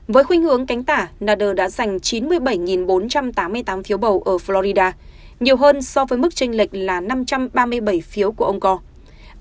với khuyên hướng cánh tả nador đã giành chín mươi bảy bốn trăm tám mươi tám phiếu bầu ở florida nhiều hơn so với mức tranh lệch là năm trăm ba mươi bảy phiếu của ông co